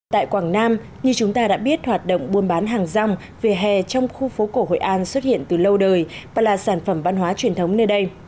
tại quảng nam như chúng ta đã biết hoạt động buôn bán hàng rong về hè trong khu phố cổ hội an xuất hiện từ lâu đời và là sản phẩm văn hóa truyền thống nơi đây